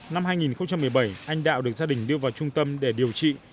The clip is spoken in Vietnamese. năm hai nghìn một mươi bảy anh đạo được gia đình đưa vào trung tâm để điều trị